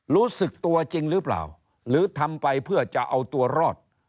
รู้สึกตัวจริงหรือเปล่าหรือทำไปเพื่อจะเอาตัวรอด